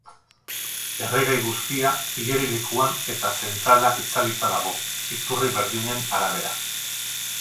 Erregai guztia igerilekuan eta zentrala itzalita dago, iturri berdinen arabera.